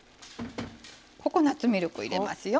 ココナツミルクを入れますよ。